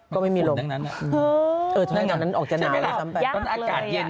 ก็ไม่มีลมนั้นนั้นอืมใช่ไหมหรอยากเลย